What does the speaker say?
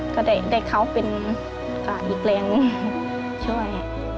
ก็ได้เขาเป็นอีกแรงช่วย